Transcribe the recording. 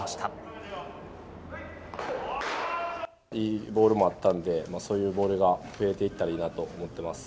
いいボールもあったので、そういうボールが増えていったらいいなと思ってます。